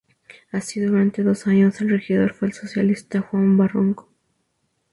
Así, durante dos años, el regidor fue el socialista Juan Barranco.